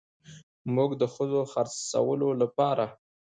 موږ د ښځو د خرڅولو لپاره